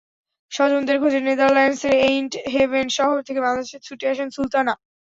স্বজনদের খোঁজে নেদারল্যান্ডসের এইনট হেভেন শহর থেকে বাংলাদেশে ছুটে আসেন সুলতানা।